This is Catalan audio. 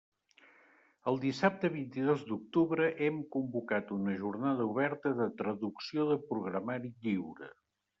El dissabte vint-i-dos d'octubre hem convocat una Jornada oberta de traducció de programari lliure.